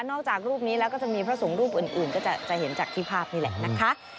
จากรูปนี้แล้วก็จะมีพระสงฆ์รูปอื่นก็จะเห็นจากที่ภาพนี่แหละนะคะ